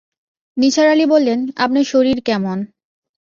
নিসার আলি বললেন, আপনার শরীর কেমন?